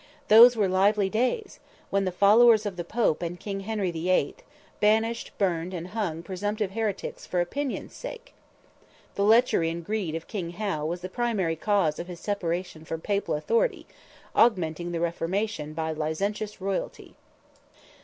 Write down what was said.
Those were lively days, when the followers of the Pope and King Henry the Eighth, banished, burned and hung presumptive heretics for opinion's sake! The lechery and greed of King Hal was the primary cause of his separation from papal authority, augmenting the Reformation by licentious royalty.